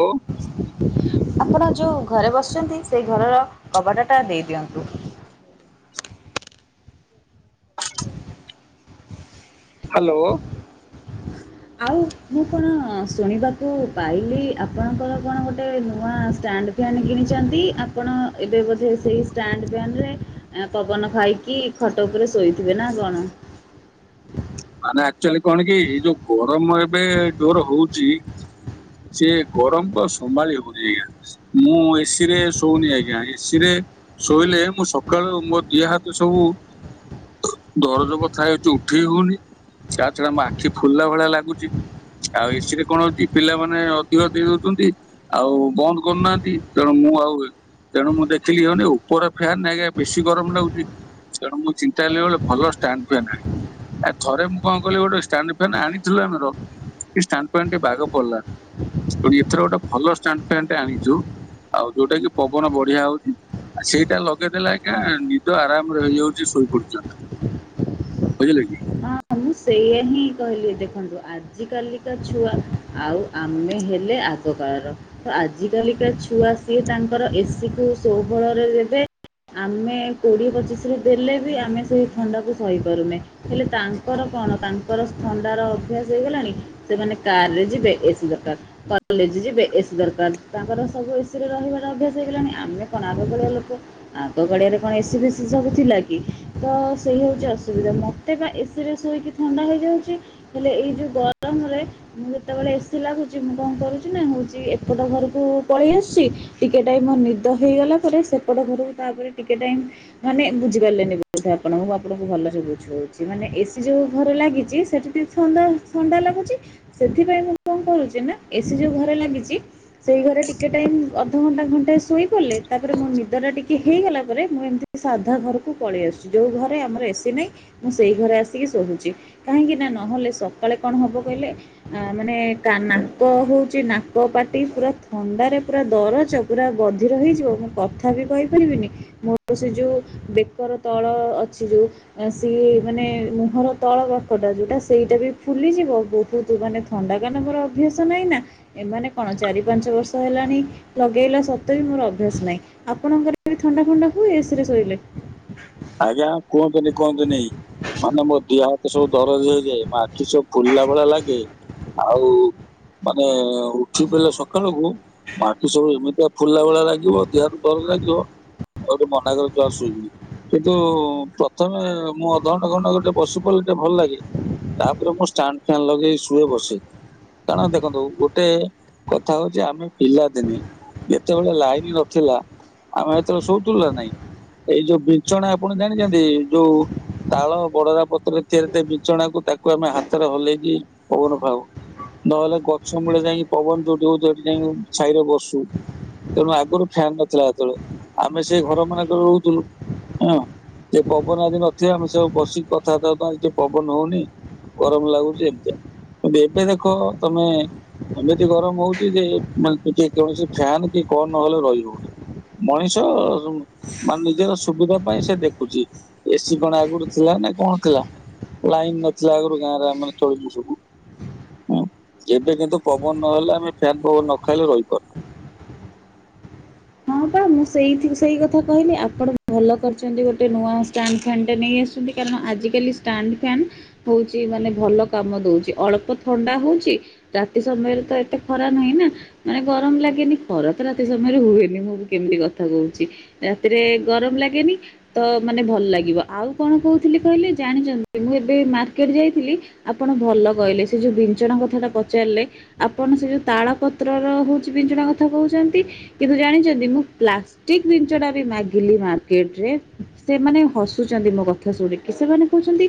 ହଉ। ଆପଣ ଯେଉଁ ଘରେ ବସିଛନ୍ତି ସେଇ ଘରର କବାଟ ତ ଦେଇଦିଅନ୍ତୁ। ହ୍ୟାଲୋ। ଆଉ ମୁଁ କଣ ଶୁଣିବାକୁ ପାଇଲି ଆପଣଙ୍କର କଣ ଗୋଟେ ନୂଆ ଷ୍ଟା ଣ୍ଡ ଫ୍ୟାନ କିଣିଛନ୍ତି ଆପଣ ଏବେ ବୋଧେ ସେଇ ଷ୍ଟାଣ୍ଡ ଫ୍ୟାନ ରେ ଏମ୍ ପବନ ଖାଇକି ଖଟ ଉପରେ ଶୋଇଥିବେ ନା କଣ? ମାନେ ଆକ୍ଚୁଆଲି କଣ କି ଏଇ ଯୋଉ ଗରମ ଏବେ ଜୋର ହଉଛି ସିଏ ଗରମ ତ ସମ୍ଭାଳି ହଉନି ଆଜ୍ଞା ମୁଁ ଏସି ରେ ଶୋଉନି ଆଜ୍ଞା ଏସି ରେ ଶୋଇଲେ ମୁଁ ସକାଳୁ ମୋ ଦିଅ ହାତ ସବୁ ଦରଜ ବଥା ହେଉଛି ଉଠେଇ ହଉନି ତା ଛଡା ମୋ ଆଖି ଫୁଲିଲା ଭଳିଆ ଲାଗୁଚି। ଆଉ ଏସି ରେ କଣ ହଉଛି ପିଲାମାନେ ଅଧିକ ଦେଇ ଦଉଛନ୍ତି ଆଉ ବନ୍ଦ କରୁନାହାନ୍ତି ତେଣୁ ମୁଁ ମୁଁ ଆଉ ତେଣୁ ମୁଁ ଦେଖିଲି ହନି ଉପର ଫ୍ୟାନ୍ ଆଜ୍ଞା ବେଶୀ ଗରମ ଲାଗୁଛି। ତେଣୁ ମୁଁ ଚିନ୍ତା ହେଲି ଭଲ ଷ୍ଟାଣ୍ଡ ଫ୍ୟାନ ଆଣିବି। ଥରେ ମୁଁ କଣ କଲିି ଗୋଟେ ଷ୍ଟାଣ୍ଡ ଫ୍ୟନ୍ ଆଣିଥିଲୁ ଆମେର ସେ ଷ୍ଟାଣ୍ଡ ଫ୍ୟାନ ଟି ବାଗ ପଡିଲା ନି ଏଥର ଗୋଟେ ଭଲ ଷ୍ଟାଣ୍ଡ ଫ୍ୟାନଟେ ଆଣିଛୁ ଆଉ ଯୋଉଟା କି ପବନ ବଢିଆ ହଉଛି। ସେଇଟା ଲଗେଇଦେଲେ ଆଜ୍ଞା ନିଦ ଆରାମରେ ହେଇଯାଉଛି ଶୋଇ ପର୍ଯ୍ୟନ୍ତ। ବୁଝିଲେ କି। ହଁ ମୁଁ ସେଇୟଆ ହିଁ କହିଲି ଦେଖନ୍ତୁ ଆଜି କାଲିକା ଛୁଆ ଆଉ ଆମେ ହେଲେ ଆଗ କାଳର ଆଜି କାଲିକା ଛୁଆ ସିଏ ତାଙ୍କର ଏସିି କୁ ସୋ ବଳରେ ଦେବେ ଆମେ କୋଡ଼ିଏ ପଚିଶରୁ ଦେଲେ ବି ଆମେ ସେହି ଥଣ୍ଡାକୁ ସହିପାରୁନେ ହେଲେ ତା ତାର କଣ ତାଙ୍କର ଥଣ୍ଡାର ଅଭ୍ୟାସ ହେଇଗଲାଣି ସେମାନେ କାର ରେ ଯିବେ ଏସି ଦରକାର କଲେଜ ଯିବେ ଏସି ଦରକାର ତାଙ୍କର ସବୁ ଏସିରେ ରହିବାର ଅଭ୍ୟାସ ହେଇଗଲାଣି ଆମେ କଣ ଆଗ କାଳିଆ ଲୋକ ଆଗ କାଳିଆ ରେ କଣ ଏସି ବିସିି ସବୁ ଥିଲା କି ତ ସେଇ ହଉଛି ଅସୁବିଧା ମତେ ବା ଏସି ରେ ଶୋଇକି ଥଣ୍ଡା ହେଇଯାଉଛି ହେଲେ ଏଇ ଯେଉ ଗରମରେ ମୁ ଯେତେବେଳେ ଏସିି ଲାଗୁଛି ମୁ କରୁଛି ନା ହଉଛି ଏପଟ ଘରକୁ ପଳେଇ ଆସୁଛି ଟିକେ ଟାଇମ ନିଦ ହେଇଗଲା ପରେ ସେପଟ ତାପରେ ଟିକେ ଟାଇମ ମାନେ ବୁଝି ପାରିଲେନି ବୋଧେ ଆପଣ ମୁଁ ଆପଣଙ୍କୁ ଭଲସ ବୁଝଉଛି ମାନେ ସେ ଯୋଉ ଘରେ ଲାଗିଛି ସେଠି ଟିକେ ଥଣ୍ଡା ଥଣ୍ଡା ଲାଗୁଛି ସେଥିପାଇଁ ମୁଁ କଣ କରୁଛି ନା ଏ ଘରେ ଲାଗିଛି ସେଇ ଘରେ ଟିକେ ଟାଇ ଅଧଘଣ୍ଟା ଘଣ୍ଟା ଶୋଇ ପଲେ ତାପରେ ମୋ ନିଦ ଟା ଟିକେ ହେଇଗଲା ପରେ ମୁଁ ଏମିତି ସାଧା ଘରକୁ ପଳେଇ ଆସୁଛି ଯଉ ଘରେ ଆମର ଏସି ନାହିଁ ମୁଁ ସେଇ ଘରେ ଆସିଛି ଶୋଉଛି କାହିିକିନା ନହଲେ ସକାଳେ କଣ ହବ କହିଲେ ମାନେ ନାକ ହଉଛି ନାକ ପାଟି ପୁରା ଥଣ୍ଡାରେ ପୁରା ଦରଜ ପୁରା ବଧିର ହେଯିବ ମୁଁ କଥା ବି କହି ମୋର ସେ ଯଉ ବେକର ତଳ ଅଛି ଯୋଉ ସିଏ ମାନେ ମୁହଁର ତଳ ପାଖଟା ଯୋଉଟା ସେଇଟା ବି ଫୁଲିଯିବ ବହୁତ ମାନେ ଥଣ୍ଡା କାନ ମୋର ଅଭ୍ୟାସ ନାହିଁ ଏମାନେ କଣ ଚାରି ପାଞ୍ଚ ବର୍ଷ ହେଲାଣି ଲଗେଇଲା ସତ୍ୱେ ବି ମୋର ଅଭ୍ୟାସ ନାହିଁ ଆପଣଙ୍କ ଥଣ୍ଡା ଫଣ୍ଡା ହୁଏ ଏସିରେ ଶୋଇଲେ। ଆଜ୍ଞା କୁହନ୍ତୁନି କୁହନ୍ତୁନି ମାନେ ଦିହ ହାତ ସବୁ ଦରଜ ହେଇଯାଏ ଆଖି ସବୁ ଫୁଲିଲା ଭଳିଆ ଲାଗେ ଆଉ ମାନେ ଉଠି ପଲେ ସକାଳକୁ ଆଖି ସବୁ ଏମିତିଆ ଫୁଲିଲା ଭଳିଆ ଲାଗିବ ଦେହହାତ ଦରଜ ଲାଗିବ ଆଉ ତେ ମନା କର ତୁ ଆସୁବୁ କିନ୍ତୁ ପ୍ରଥମେ ମୁଁ ଅଧଘଣ୍ଟା ଘଣ୍ଟ ଗୋଟେ ବସିପଡ଼ିଲେ ଟିକେ ଭଲ ଲାଗେ ତାପରେ ମୁଁ ଷ୍ଟ। ଣ୍ ଫାନ୍ ଲଗେଇ ଶୁଏ ବସେ କାରଣ ଦେଖନ୍ତୁ ଗୋଟେ କଥା ହଉଛି ଆମେ ପିଲାଦିନେ ଯେତେବେଳେ ଲାଇନ ନଥିଲା ଆମେ ଏତେବେଳେ ଶୋଉଥିଲୁ ନା ନାଇଁ ଏଇ ଯୋଉ ବିଛଣା ଆପଣ ଜାଣିଛନ୍ତି ଯୋଉ ତାଳ ବଡରା ପତ୍ରରେ ତିଆରି ହେଇଥାଏ ବିଞ୍ଚଣାକୁ ତାକୁ ଆମେ ହାତରେ ହଲେଇକି ପଉନ ଖାଉ। ନହେଲେ ଗଛ ମୂଳେ ଯାଇକି ପବନ ଯୋଉଠି ହୋଉଥାଏ ହେଠି ଯାଇକି ଛାଇରେ ବସୁ। ତେଣୁ ଆଗରୁ ଫ୍ୟାନ ନଥିଲା ହେତେବେଳେ ଆମେ ସେ ଘର ମାନଙ୍କରେ ରହୁଥିଲୁ। ହଁ ସେ ପବନ ଆଜି ନଥିବା ଆମେ ସବୁ ବସିକି କଥାବାର୍ତ୍ତା ହୋଉଥାଉ ଆଜି ଟିକେ ପବନ ହଉନି ଗରମ ଲାଗୁଛି ଏମତିଆ କିନ୍ତୁ ଏବେ ଦେଖ ତମେ ଏମିତି ଗରମ ହଉଛି ଯେ କୌଣସି ଫ୍ୟାନ୍ କି କଣ ନହେଲେ ରହିହଉନି। ମଣିଷ ସବୁ ମାନେ ନିଜର ସୁବିଧା ପାଇଁ ସେ ଦେଖୁଛି ଏସି କଣ ଆଗରୁ ଥିଲା ନା କଣ ଥିଲା। ଲାଇନ ନଥିଲା ଆଗରୁ ଗାଁରେ ଆମେ ଚଳଛୁ ସବୁ ହଁ ଏବେ କିନ୍ତୁ ପବନ ନହେଲେ ଆମେ ଫ୍ୟାନ ପବନ ନ ଖାଇଲେ ରହିପାରୁନୁ। [inaudible] ମୁଁ ସେଇଥି ସେଇ କଥା କହିଲି ଆପଣ ଭଲ କରିଛନ୍ତି ଗୋଟେ ନୂଆ ଷ୍ଟାଣ୍ଡ ଫ୍ୟାନ ଟେ ନେଇ ଆସିଛନ୍ତି କାରଣ ଆଜି କାଲି ଷ୍ଟାଣ୍ଡ ଫାନ ହଉଛି ମାନେ ଭଲ କାମ ଦଉଛି ଅଳ୍ପ ଥଣ୍ଡା ହୋଉଛି ତା ରାତି ସମୟରେ ତ ଏତେ ଖରା ନାହିଁ ନା ମାନେ ଗରମ ଲାଗେନି ଖରା ତ ରାତି ସମୟରେ ହୁଏନି ମୁଁ ବି କେମତି କଥା କହୁଛି ରାତିରେ ଗରମ ଲାଗେନି ତ ମାନେ ଭଲ ଲାଗିବ। ଆଉ କଣ କହୁଥିଲି ଥିଲି କହିଲେ ଜାଣିଚନ୍ତି ମୁଁ ଏବେ ମାର୍କେଟ ଯାଇଥିଲି ଆପଣ ଭଲ କହିଲେ ସେ ଯୋଉ ବିଞ୍ଚଣା କଥାଟା ପଚା ଚାରିଲେ ଆପଣ ସେ ଯେଉଁ ତାଳ ପତ୍ରର ହେଉଛି ବିଞ୍ଚଣା କଥା କହୁଛନ୍ତି କିନ୍ତୁ ଜାଣିଛନ୍ତି ମୁଁ ପ୍ଲାଷ୍ଟିକ ବିଞ୍ଚଣା ବି ମାଗିଲି ମାର୍କେଟ ରେ ସେମାନେ ହସୁଛନ୍ତି ମୋ କଥା ଶୁଣିକି ସେମାନେ କହୁଛନ୍ତି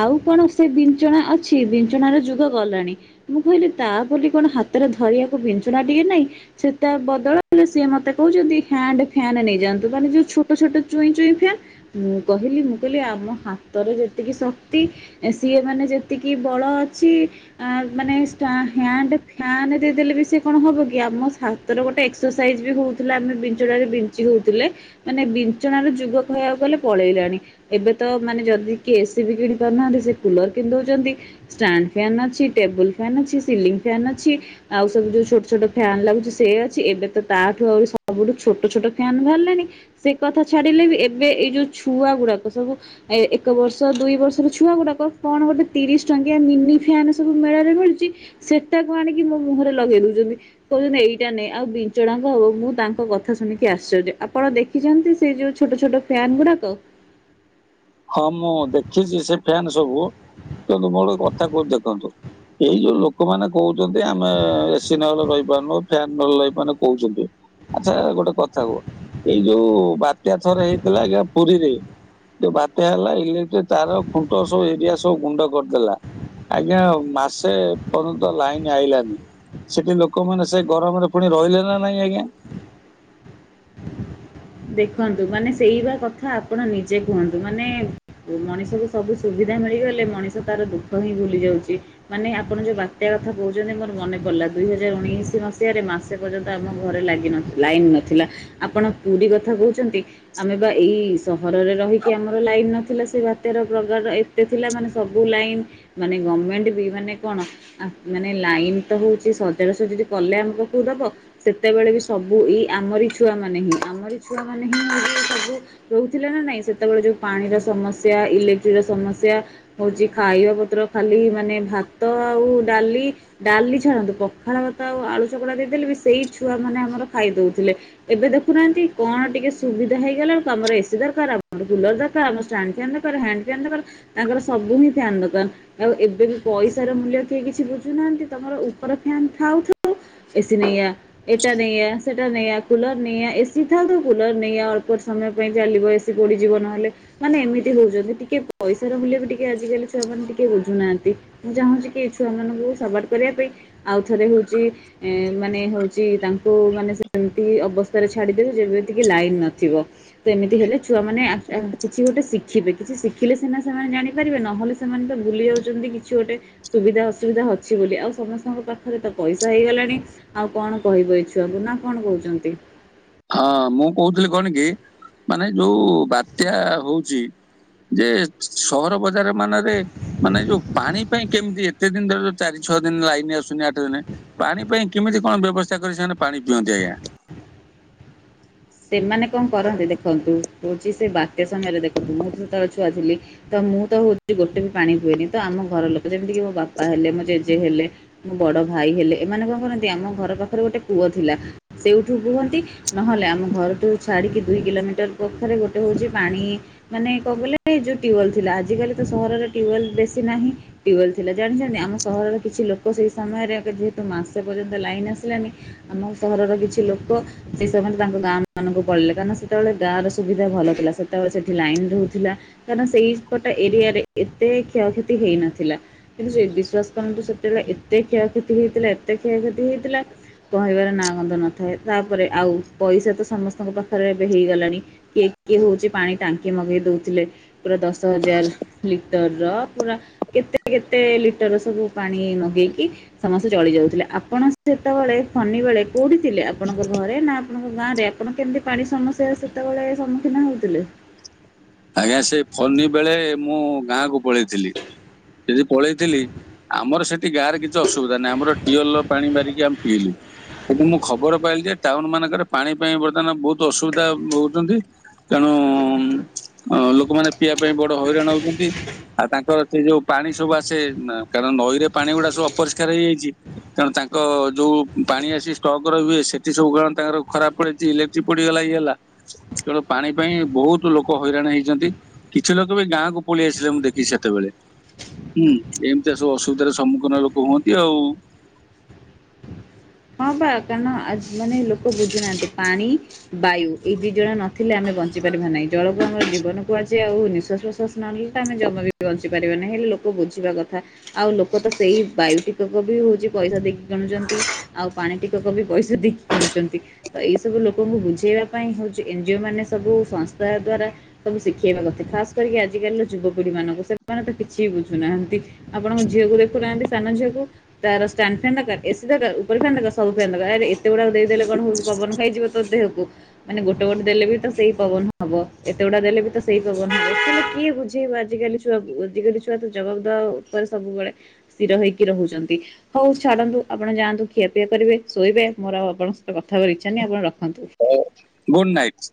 ଆଉ କଣ ସେ ବିଞ୍ଚଣା ଅଛି। ବିଞ୍ଚଣ ର ଯୁଗ ଗଲାଣି ମୁଁ କହିଲି ତା ବୋଲି କଣ ହାତରେ ଧରିବାକୁ ବିଞ୍ଚଣା ଟିକେ ନାହିଁ ସେ ତା ବଦଳଲେ ସିଏ ମତେ କହୁଛନ୍ତି ହ୍ୟାଣ୍ଡ ଫ୍ୟାନ୍ ନେଇଯାଆନ୍ତୁ ମାନେ ଯୋଉ ଛୋଟ ଛୋଟ ଚୁଇଁ ଚୁଇଁ ଫ୍ୟାନ୍ ମୁଁ କହିଲି ମୁଁ କହିଲି ଆମ ହା ତର ଯେତିକି ଶକ୍ତି ସିଏ ମାନେ ଯେତିକି ବଳ ଅଛି ଆ ମାନେ ଷ୍ଟା ହ୍ୟାଣ୍ଡ ଫ୍ୟାନଟେ ଦେଲେ ବି ସେ କଣ ହବ କି ଆମ ହାତର ଗୋଟେ ଏକ୍ସରସାଇଜ ବି ହଉଥିଲା ଆମେ ଞ୍ଚଣାରେ ବିଞ୍ଚି ହଉଥିଲେ ମାନେ ବିଞ୍ଚଣାର ଯୁଗ କହିବାକୁ ଗଲେ ପଳେଇଲାଣି ଏବେ ତ ମାନେ ଯଦି କିଏ ଏସି ବି କିଣି ପାରୁନାହାନ୍ତି ସେ କୁଲର କିଣି ଦେଉଛନ୍ତି ଷ୍ଟାଣ୍ଡ ଫ୍ୟାନ ଅଛି ଟେବୁଲ୍ ଫ୍ୟାନ୍ ଅଛି ସି ଲିଙ୍ଗ ଫ୍ୟାନ୍ ଅଛି। ଆଉ ସବୁ ଯୋଉ ଛୋଟ ଛୋଟ ଫ୍ୟାନ ଲାଗୁଛି ସେ ଅଛି। ଏବେ ତ ତାଠୁ ଆହୁ ସବୁଠୁ ଛୋଟ ଛୋଟ ଫ୍ୟାନ ବାହାରିଲାଣି ସେ କଥା ଛାଡିଲେ ବି ଏବେ ଏଇ ଯୋଉ ଛୁଆ ଗୁଡାକୁ ସବୁ ଏ ଏକ ବର୍ଷ ଦୁଇ ବର୍ଷର ଛୁଆ ଗୁଡାକ କଣ ଗୋଟେ ତିରିଶ ଟଙ୍କିଆ ମିନି ଫ୍ୟାନ୍ ସବୁ ମେଳାରେ ମିଳୁଛି ସେଟାକୁ ଆଣିକି ମୋ ମୁହଁରେ ଲଗେଇ ଦଉଛନ୍ତି। କହୁଛନ୍ତି ଏଇଟା ନେଁ ଆଉ ବିଞ୍ଚଣା କଣ ହବ ମୁଁ ତାଙ୍କ କଥା କଥା ଶୁଣିକି ଆଶ୍ଚର୍ଯ୍ୟ। ଆପଣ ଦେଖିଛନ୍ତି ସେଇ ଯୋଉ ଛୋଟ ଛୋଟ ଫ୍ୟାନ୍ ଗୁଡାକ? ହଁ ମୁଁ ଦେଖିଛି ସେ ଫ୍ୟାନ ସବୁ କିନ୍ତୁ ମୁଁ ଗୋଟେ କଥା କହୁଛିି ଦେଖନ୍ତୁ ଏଇ ଯୋଉ ଲୋକମାନେେ କହୁଛନ୍ତି ଆମେ ଏସିି ନହେଲେ ରହିପାରୁନୁ। ଫ୍ୟାନ ନହେଲେ ରହିପାରୁନୁ କହୁଛନ୍ତି ଆଚ୍ଛା ଗୋଟେ କଥା କୁହ ଏଇ ଯୋଉ ବାତ୍ୟା ଥର ହେଇଥିଲା ଆଜ୍ଞା ପୁରୀରେ ଯୋଉ ବାତ୍ୟା ହେଲା ଇଲେକ୍ଟ୍ରୀ ତାର ଖୁଣ୍ଟ ସବୁ ଏରିଆ ସବୁ ଗୁଣ୍ଡ କରିଦେଲା। ଆଜ୍ଞା ମାସେ ପର୍ଯ୍ୟନ୍ତ ଲାଇନ ଆଇଲାନି। ସେଠି ଲୋକମାନେ ସେ ଗରମରେ ପୁଣି ରହିଲେ ନା ନାଇଁ ଆଜ୍ଞା। ଦେଖନ୍ତୁ ମାନେ ସେଇ ବା କଥା ଆପଣ ନିଜେ କୁହନ୍ତୁ ମାନେ ମଣିଷକୁ ସବୁ ସୁବିଧା ଧା ମିଳିଗଲେ ମଣିଷ ତାର ଦୁଃଖ ହିଁ ଭୁଲି ଯାଉଛି। ମାନେ ଆପଣ ଯୋଉ ବାତ୍ୟା କଥା କହୁଛନ୍ତି ମୋର ମନେପଡ଼ିଲା। ଦୁଇ ହଜାର ଉଣେଇଶି ମସିହାରେ ମାସେ ପର୍ଯ୍ୟନ୍ତ ଆମ ଘରେ ଲାଗି ନ ଲାଇନ ନଥିଲା ଆପଣ ପୁରୀ କଥା କହୁଛନ୍ତି ଆମେ ବା ଏଇ ସହରରେ ରହିକି ଆମର ଲାଇନ ନଥିଲା ସେ ବାତ୍ୟାର ପ୍ରଗାର ଏତେ ଥିଲା ମାନେ ସବୁ ଲାଇନ୍ ମାନେ ଗେଭମେଣ୍ଟ ବି ମାନେ କଣା ମାନେ ଲାଇନ୍ ହୋଉଛି ସଜାଡ ସୁଜୁଡ଼ି କଲେ ଆମ ପାଖକୁ ଦବ ସେତେବେଳେ ବି ସବୁ ଏଇ ଆମରି ଛୁଆ ମାନେ ହିଁ ଆମର ଛୁଆ ମାନ ହିଁ ସବୁ ରହୁଥିଲେ ନା ନାଇଁ ସେତେବେଳେ ଯୋଉ ପାଣିର ସମସ୍ୟା ଇଲେକ୍ଟ୍ରିର ସମସ୍ୟା ହଉଛି ଖାଇବା ପତ୍ର ଖାଲି ମାନେ ଭାତ ଆଉ ଡାଲି ଡାଲି ଛାଡ଼ନ୍ତୁ ପଖାଳ ଭାତ ଆଉ ଆଳୁ ଚକଟା ଦେଇଦେଲେ ବି ସେଇ ଛୁଆ ମାନେ ଆମର ଖାଇଦଉଥିଲେ ଏବେ ଦେଖ ଦେଖୁନାହାନ୍ତି କଣ ଟିକେ ସୁବିଧା ହେଇଗଲା ଆମର ଏସି ଦରକାର, ଆମର କୁଲର ଦରକାର, ଆମରଷ୍ଟାଣ୍ଡ ଫ୍ୟାନ ଦରକାର ହ୍ୟାଣ୍ଡ [unintelligible] ତାଙ୍କର ସବୁ ହିଁ ଫ୍ୟାନ୍ ଦୋକାନ ଆଉ ଏବେ ବି ପଇସାର ମୂଲ୍ୟ କିଏ କିଛି ବୁଝୁନାହାନ୍ତି ତମର ର ଉପର ଫ୍ୟାନ ଥାଉ ଥାଉ ଏସି ନେଇଆ ଏଟା ନେଇଆ ସେଟା ନେଇଆ କୁଲର ନେଇଆ ସିଧା ତୁ କୁଲର ନେଇଆ ଅଳ୍ପ ସମୟ ପାଇଁ ଚାଲିବ ଏସି ପୋଡିଯିବ ନହେଲେ ମାନେ ଏମିତି ହଉଛନ୍ତି ଟିକେ ପଇସାର ମୂଲ୍ୟ ବି ଟିକେ ଆଜିକାଲି ଛୁଆ ମେ ଟିକେ ବୁଝୁନାହାନ୍ତି ମୁଁ ଚାହୁଁଚି କି ଛୁଆମାନାନଙ୍କୁ ସବାଟ କରିବା ପାଇଁ। ଆଉ ଥରେ ହୋଉଚି ଏଁ ମାନେ ହୋଉଚି ତାଙ୍କୁ ମାନେ ସେମତି ଅବସ୍ଥାରେ ଛା ଡିଦେବୁ ଯେବିତିକି ଲାଇନ ନଥିବ ତ ଏମିତି ହେଲେ ଛୁଆ ଆକ୍ ମାନେ କିଛି ଗୋଟେ ଶିଖିବେ କିଛି ଶି ଥିଲେ ସିନା ସେମାନେ ଜାଣିପାରିବେ ନହେଲେ ସେମାନେ ତ ଭୁଲି ଯାଉଚନ୍ତି କିଛି ଗୋଟେ ସୁବିଧା ଅସୁବିଧା ଅଛି ବୋଲି ଆଉ ସମସ୍ତଙ୍କ ପାଖରେ ତ ପଇସା ହେଇଗଲାଣି ଆଉ କଣ କହିବ ଏଇ ଛୁଆଙ୍କୁ ନା କଣ କୋହୁଚନ୍ତି। ହଁ ମୁଁ କୋହୁଥିଲି କଣ କି ମାନେ ଯୋଉ ବାତ୍ୟା ହୋଉଚି। ଯେ ସହର ବଜାର ମାନରେ ମାନେ ଯୋଉ ପାଣି ପାଇଁ କେମିତି ଏ କେତେ ଦିନ ଧର ଚାରି ଛଅ ଦିନ ଲାଇନ ଆସୁନି ଆଠ ଦିନ ପାଣି ପାଇଁ କେମିତି କଣ ବ୍ୟବସ୍ଥା କରି ସେମାନେ ପାଣି ପିଅନ୍ତି? ଆଜ୍ଞା। ସେମାନେ କଣ କରନ୍ତି ଦେଖନ୍ତୁ ହୋଉଚି ସେ ବାତ୍ୟା ସମୟରେ ଦେଖନ୍ତୁ ମୁଁ ଯେତେବେଳେ ଛୁଆ ଥିଲି। ତ ମୁଁ ତ ହୋଉଚି ଗୋଟେ ବି ପାଣି ହୁଏନି ତ ଆମ ଘର ଲୋକ ଯେମିତି କିି ମୋ ବାପା ହେଲେ, ମୋ ଜେଜେ ହେଲେ ମୋ ବଡ ଭାଇ ହେଲେ, ଏମାନେ କଣ କରନ୍ତି ଆମ ଘର ପାଖରେ ଗୋଟେ ପୁଅ ଥିଲା ସେଉଠୁ ବୁହନ୍ତି ନହେଲେ ଆମ ଘରଠୁ ଛାଡିକି ଦୁଇ କିଲୋମିଟର ପାଖରେ ଗୋଟେ ହୋଉଚି ପାଣି ମାନେ ଙ୍କ କହିଲେ ଏଇ ଯୋଉ ଟ୍ୟୁବଲ୍ ଥିଲା। ଆଜିକାଲି ତ ସହରରେ ଟ୍ୟୁବେଲ ବେଶୀ ନାହିଁ ଟ୍ୟୁବଲ ଥିଲା ଜାଣିଛନ୍ତି ଆମ ସହରର କିଛି ଲୋକ ସେଇ ସମୟରେ ଯେହେତୁ ମାସ ପର୍ଯ୍ୟନ୍ତ ଲାଇନ ଆସିଲାନି ଆମ ସହରର କିଛି ଲୋକ ସେ ସମୟ ରେ ତାଙ୍କ ଗାଁ ମାନଙ୍କୁ ପଳେଇଲେ କାରଣ ସେତେବେଳେ ଗାଁ ର ସୁବିଧା ଭଲ ଥିଲା ସେତେବେଳେ ସେଠି ଲାଇନ ରହୁଥିଲା କାରଣ ସେଇପଟେ ଏରିଆରେ ଏତେ କ୍ଷୟକ୍ଷତି ହେଇନଥିଲା କିନ୍ତୁ ସେ ବିଶ୍ଵାସ କରନ୍ତୁ ସେତେବେଳେ ଏତେ କ୍ଷୟକ୍ଷତି ହେଇଥିଲା ଏତେ କ୍ଷୟକ୍ଷତି ହେଇଥିଲା କହିବାର ନାଁ ଗନ୍ଧ ନଥାଏ ତାପରେ ଆଉ ପଇସା ତ ସମସ୍ତଙ୍କ ପାଖରେ ଏବେ ହେଇଗଲାଣି କିଏ କିଏ ହଉଚି ପାଣି ଟାଙ୍କି ମଗେଇ ଦଉଥିଲେ ପୁରା ଦଶ ହଜାର ର ଲିଟର ର ପୁରା କେତେ କେତେ ଲିଟର ସବୁ ପାଣି ମଗେଇକି ହଁ ସେ ଚଳି ଯାଉଥିଲେ ଆପଣ ସେତେବେଳେ ଫନି ବେଳେ କଉଠି ଥିଲେ ଆପଣଙ୍କ ଘରେ ନା ଆପଣଙ୍କ ଗାଁରେ? ଆପଣ କେମିତି ପାଣି ସମସ୍ୟ ସେତେବେଳେ ସମ୍ମୁଖୀନ ହଉଥିଲେ? ଆଜ୍ଞା ସେ ଫନି ବେଳେ ମୁଁ ଗାଁକୁ ପଳେଇଥିଲି ସେଠି ପଳେଇଥିଲି ଆମର ସେଠି ଗାଁରେ କିଛି ଅସୁବିଧା ନାହିଁ ଆମର ଟିବଲ୍ ପାଣି ମାରିକି ଆମେ ପିଇଲୁ। କିନ୍ତୁ ମୁଁ ଖବର ପାଇଲି ଯେ ଟାଉନ ମାନଙ୍କରେ ପାଣି ପାଇଁ ବର୍ତ୍ତମାନ ବହୁତ ଅସୁବିଧା ହଉଚନ୍ତି ତେଣୁ ଅ ଲୋକମାନେ ପିଇବା ପାଇଁ ବଡ ହଇରାଣ ହଉଛନ୍ତି ଆଉ ତାଙ୍କର ସେ ଯୋଉ ପାଣି ସବୁ ଆସେ ନା କାରଣ ନଈ ରେ ପାଣି ଗୁଡା ସବୁ ଅପରିଷ୍କାର ହେଇଯାଇଛି ତେଣୁ ତାଙ୍କ ଯୋଉ ପାଣି ଆସି ଷ୍ଟକରେ ହୁଏ ସେଠି ସବୁ କଣ ତାଙ୍କର ଖରାପ ପଡିଚି ଇଲେକ୍ଟ୍ରି ପଡିଗଲା ଇଏ ହେଲା ତେଣୁ ପାଣି ପାଇଁ ବହୁତ ଲୋକ ହଇରାଣ ହେଇଚନ୍ତି କିଛି ଲୋକ ବି ଗାଁକୁ ପଳେଇ ଆସିଲେ ମୁଁ ଦେଖିଚି ସେତେବେଳେ। ହୁଁ ଏମିତିଆ ସବୁ ଅସୁବିଧାର ସମ୍ମୁଖୀନ ଲୋକ ହୁଅନ୍ତି ଆଉ। ହଁ ବା କାରଣ ଆଜ ମାନେ ଲୋକ ବୁଝୁନାହାନ୍ତି ପାଣି ବାୟୁ ଏଇ ଦି ଜଣ ନଥିଲେ ଆମେ ବଞ୍ଚି ପାରିବା ନାହିଁ ଜଳକୁ ଆମର ଜୀବନକୁ ଆଜ ଚି ଆଉ ନିଶ୍ଵାସ ପ୍ରଶ୍ଵାସ ନହଲେ ତ ଆମ ଜମା ବି ବଞ୍ଚି ପାରିବା ନିହିଁ ହେଲେ ଲୋକ ବୁଝିବା କଥା ଆଉ ଲୋକ ତ ସେଇ ଇ ବାୟୁଟିକକ ବି ହଉଚି ପଇସା ଦେଇକି କିଣୁଚନ୍ତି। ଆଉ ପାଣି ଟିକକ ବି ପଇସା ଦେଇକି କିଣୁଚନ୍ତି ତ ଏଇ ସବୁ ଲୋକଙ୍କୁ ବୁଝେଇବା ପାଇଁ ହଉଚି ଏନ୍ ଜ ଓ ମାନେ ସବୁ ସଂସ୍ଥା ଦ୍ଵାରା ସବୁ ଶିଖେଇବା କଥା ଖାସ କରିକି ଆଜିକାଲିର ଯୁବପିଢ଼ି ମାନଙ୍କୁ ସେମାନେ ତ କିଛି ବୁଝୁନାହାନ୍ତି ଆପଣଙ୍କ ଝିଅକୁ ଦେଖୁନାହାନ୍ତି ସାନ ଝିଅକୁ ତାର ଷ୍ଟାଣ୍ଡ ଫ୍ୟାନ ଦରକାର ଏ ସି ଦରକାର ଉପ ପର ଫ୍ୟାନ ଦରକାର ସବୁ ଫ୍ୟାନ ଦରକାର ଆରେ ଏତେ ଗୁଡାକ ଦେଇଦେଲେ କଣ ହଉ ପବନ ଖାଇଯିବ ତ ଦେହକୁ ମାନେ ଗୋଟେ ଗଟେ ଦେଲେ ବି ତ ସେଇ ପବନ ହବ ଏତେ ଗୁଡା ଦେଲେବି ତ ସେଇ ପବନ ହେବ ହେଲେ କିଏ ବୁଝେଇବା ଆଜି ଆଜିକାଲି ଛୁଆ କୁ ଆଜି କଲି ଛୁଆ ତ ଜବାବ ଦେବା ଉପରେ ସବୁବେଳେ ସ୍ଥିର ହେଇକି ରହୁଚନ୍ତି ହଉ ଛା ଡ଼ନ୍ତୁ ଆପଣ ଜାନ୍ତୁ ଖିଆ ପିଆ କରିବେ ଶୋଇବେ ମୋର ଆଉ ଆପଣଙ୍କ ସହିତ କଥା ହେବାର ଇଚ୍ଛା ନାହିଁ ଆପଣ ରଖ ହୋଉ ଗୁଡ଼ ନାଇଟ୍।